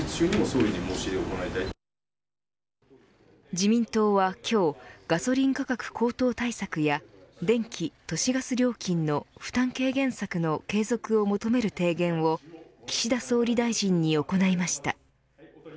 自民党は今日ガソリン価格高騰対策や電気・都市ガス料金の負担軽減策の継続を求める提言を岸田総理大臣に行いました。